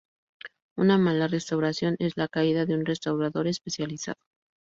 Una mala restauración es la caída de un restaurador especializado.